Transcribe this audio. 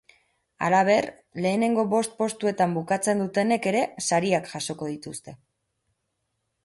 Halaber, lehenengo bost postuetan bukatzen dutenek ere sariak jasoko dituzte.